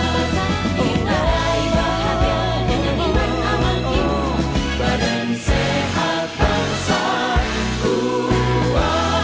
terima kasih pak troy